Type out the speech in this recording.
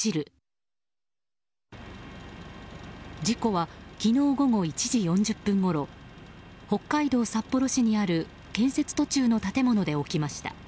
事故は昨日午後１時４０分ごろ北海道札幌市にある建設途中の建物で起きました。